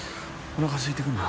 おなかすいてくるな。